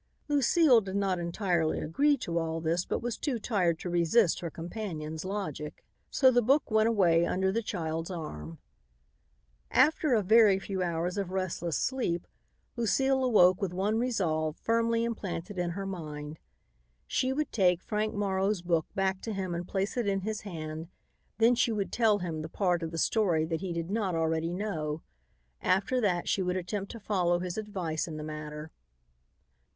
Lucile did not entirely agree to all this but was too tired to resist her companion's logic, so the book went away under the child's arm. After a very few hours of restless sleep, Lucile awoke with one resolve firmly implanted in her mind: She would take Frank Morrow's book back to him and place it in his hand, then she would tell him the part of the story that he did not already know. After that she would attempt to follow his advice in the matter.